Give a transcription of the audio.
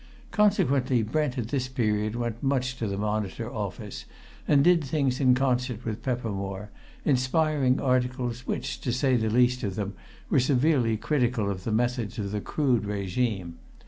Consequently, Brent at this period went much to the Monitor office, and did things in concert with Peppermore, inspiring articles which, to say the least of them, were severely critical of the methods of the Crood regime.